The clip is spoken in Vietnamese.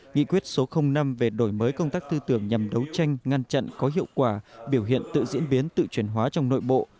nghị quyết số năm về đổi mới công tác tư tưởng nhằm đấu tranh ngăn chặn có hiệu quả biểu hiện tự diễn biến tự chuyển hóa trong nội bộ